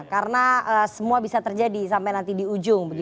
karena semua bisa terjadi sampai nanti di ujung